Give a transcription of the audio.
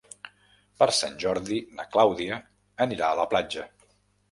Per Sant Jordi na Clàudia anirà a la platja.